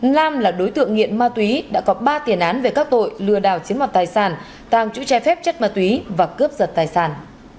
nam là đối tượng nghiện ma túy đã có ba tiền án về các tội lừa đảo chiến mặt tài sản tàng chữ che phép chất ma túy và cướp giật tài sản